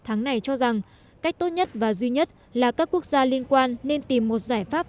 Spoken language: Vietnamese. tháng này cho rằng cách tốt nhất và duy nhất là các quốc gia liên quan nên tìm một giải pháp